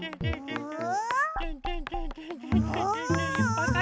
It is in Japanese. うん？